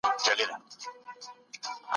مشر باید عادل او زغم لرونکی وي.